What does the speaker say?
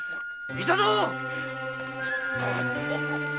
・いたぞ！